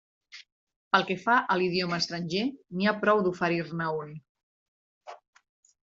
Pel que fa a l'idioma estranger, n'hi ha prou d'oferir-ne un.